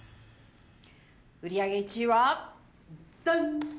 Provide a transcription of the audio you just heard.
売り上げ１位はダン！